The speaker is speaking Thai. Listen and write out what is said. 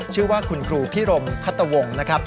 ชื่อว่าคุณครูภิรมขระตะวง